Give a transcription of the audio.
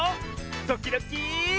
ドキドキ。